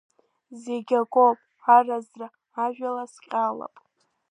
Зегь акоуп аразра ажәла сҟьалап.